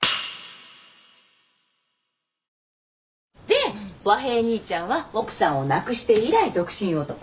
で和平兄ちゃんは奥さんを亡くして以来独身男。